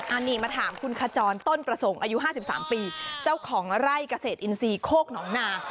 อันนี้มาถามคุณคจรต้นประสงค์อายุห้าสิบสามปีเจ้าของไร้เกษตรอินซีโค้กหนองนา